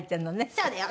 そうだよ！